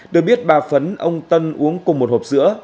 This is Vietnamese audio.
được biết bà phấn ông tân uống cùng một hộp sữa